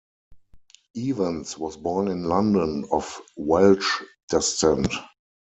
Evans was born in London of Welsh descent.